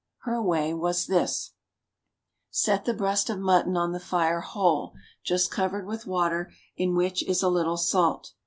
Her way was this: Set the breast of mutton on the fire whole, just covered with water in which is a little salt.